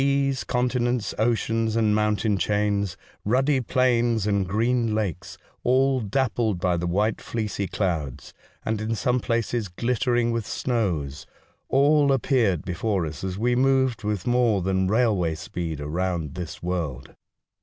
Seas, con tinents, oceans, and mountain chains, ruddy plains and green lakes, all dappled by the white fleecy clouds, and, in some places, glittering with snows — all appeared before us as we moved with more than railway speed around this world.